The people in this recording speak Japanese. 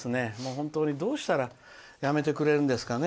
本当にどうしたらやめてくれるんですかね。